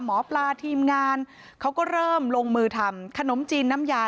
หมอปลาทีมงานเขาก็เริ่มลงมือทำขนมจีนน้ำยา